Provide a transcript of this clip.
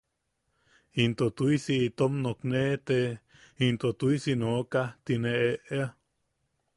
Into tu’isi itom nookne… “ete into tu’isi nooka” ti ne e’ea.